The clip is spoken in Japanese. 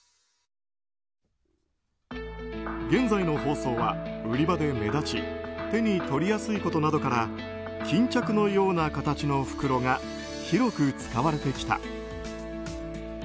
現在の包装は、売り場で目立ち手に取りやすいことなどから巾着のような形の袋が広く使われてきた。